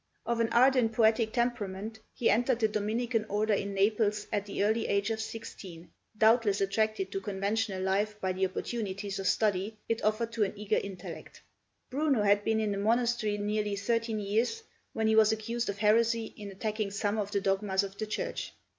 Of an ardent, poetic temperament, he entered the Dominican order in Naples at the early age of sixteen, doubtless attracted to conventual life by the opportunities of study it offered to an eager intellect. Bruno had been in the monastery nearly thirteen years when he was accused of heresy in attacking some of the dogmas of the Church.